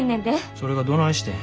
それがどないしてん。